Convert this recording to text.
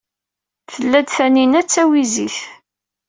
Tella-d Taninna d tawizit.